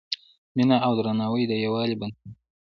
مینه او درناوی د یووالي بنسټ دی.